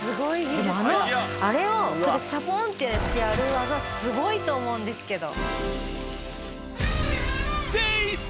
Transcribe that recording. あれをチャポンってやる技スゴいと思うんですけど。